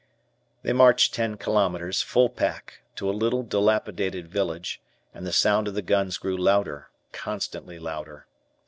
They marched ten kilos, full pack, to a little dilapidated village, and the sound of the guns grew louder, constantly louder.